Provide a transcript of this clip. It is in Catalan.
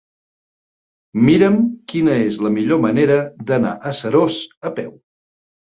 Mira'm quina és la millor manera d'anar a Seròs a peu.